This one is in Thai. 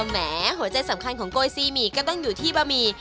แหมหัวใจสำคัญของโกยซีหมี่ก็ต้องอยู่ที่บะหมี่